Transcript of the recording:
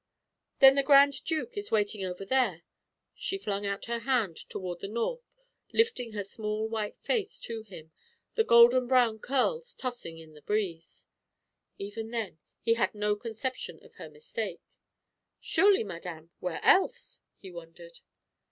"Then the Grand Duke is waiting over there?" she flung out her hand toward the north, lifting her small white face to him, the golden brown curls tossing in the breeze. Even then he had no conception of her mistake. "Surely, madame; where else?" he wondered.